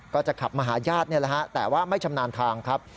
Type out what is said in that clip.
ก็จะขับมาหาญาตินี่แหละฮะแต่ว่าไม่ชำนาญทางครับ